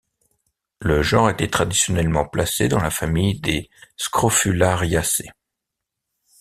Le genre était traditionnellement placé dans la famille des scrofulariacées.